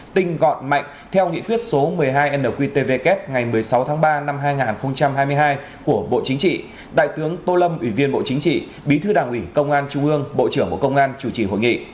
tinh gọn mạnh theo nghị quyết số một mươi hai nqtvk ngày một mươi sáu tháng ba năm hai nghìn hai mươi hai của bộ chính trị đại tướng tô lâm ủy viên bộ chính trị bí thư đảng ủy công an trung ương bộ trưởng bộ công an chủ trì hội nghị